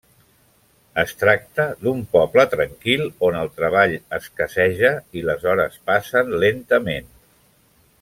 Es tracta d'un poble tranquil on el treball escasseja i les hores passen lentament.